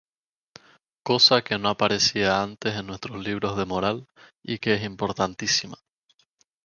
Cosa que no aparecía antes en nuestros libros de moral y que es importantísima".